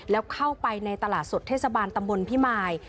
แล้วเข้าไปในตลาดสดเทศบาลตำบลพิมาย